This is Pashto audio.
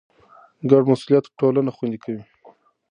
ګډ مسئولیت ټولنه خوندي کوي.